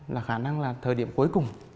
là khả năng là thời điểm cuối cùng